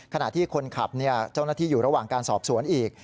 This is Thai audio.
ขณะที่คนขับเจ้าหน้าที่อยู่ระหว่างการสอบสวนอีก